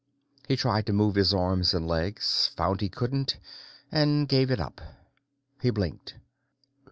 He tried to move his arms and legs, found he couldn't, and gave it up. He blinked.